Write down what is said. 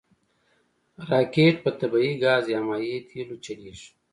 راکټ په طبعي ګاز یا مایع تېلو چلیږي